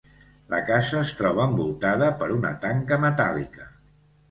La casa es troba envoltada per una tanca metàl·lica.